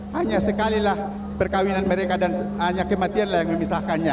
hanya sekalilah perkawinan mereka dan hanya kematianlah yang memisahkannya